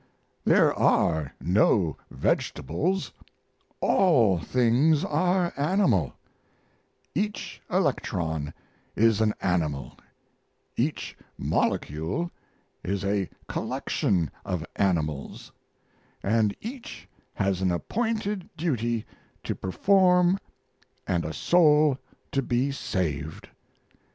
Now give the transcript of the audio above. There are no vegetables, all things are animal; each electron is an animal, each molecule is a collection of animals, and each has an appointed duty to perform and a soul to be saved.